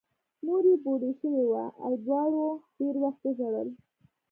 مور یې بوډۍ شوې وه او دواړو ډېر وخت وژړل